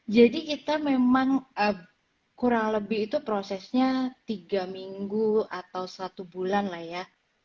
jadi kita memang kurang lebih itu prosesnya tiga minggu atau satu bulan lah ya